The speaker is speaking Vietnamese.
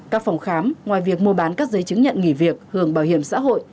các phòng khám ngoài việc mua bán các giấy chứng nhận nghỉ việc hưởng bảo hiểm xã hội